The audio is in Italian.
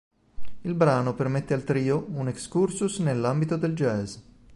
Il brano permette al trio un excursus nell'ambito del jazz.